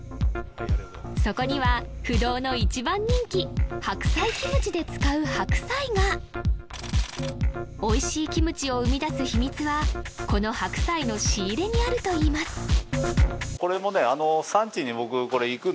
そこには不動の１番人気白菜キムチで使う白菜がおいしいキムチを生み出す秘密はこの白菜の仕入れにあるといいますうわいい